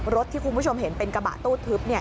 รถที่คุณผู้ชมเห็นเป็นกระบะตู้ทึบ